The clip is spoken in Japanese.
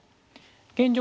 現状